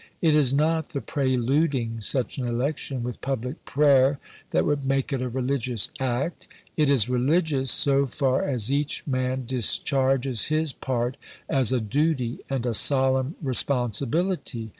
It is not the preluding such an election with public prayer that would make it a religious act. It is religious so far as each man discharges his part as a duty and a solemn responsibility.